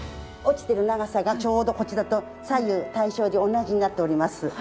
落ちてる長さがちょうどこちらと左右対称に同じになっております。